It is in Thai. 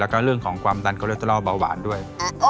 แล้วก็เรื่องของความดันคอเลสเตอรอลเบาหวานด้วย